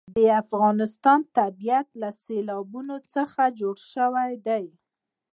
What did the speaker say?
د افغانستان طبیعت له سیلابونه څخه جوړ شوی دی.